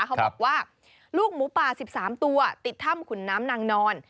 เขาบอกว่าลูกหมูป่า๑๓ตัวติดถ้ำขุนน้ำนางนอน